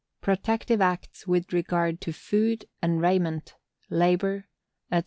PROTECTIVE ACTS WITH REGARD TO FOOD AND RAIMENT, LABOR, ETC.